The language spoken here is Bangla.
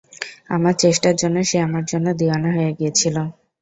আমার চেষ্টার জন্য সে আমার জন্য দিওয়ানা হয়ে গিয়েছিল।